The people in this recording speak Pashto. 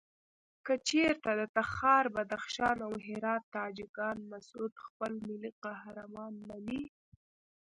کچېرته د تخار، بدخشان او هرات تاجکان مسعود خپل ملي قهرمان مني.